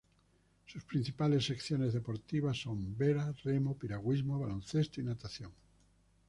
Sus principales secciones deportivas son vela, remo, piragüismo, baloncesto y natación.